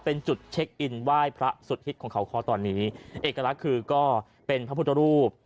เป็นจุดเช็คอินไหว้พระสุดฮิตของเขาคอตอนนี้เอกลักษณ์คือก็เป็นพระพุทธรูป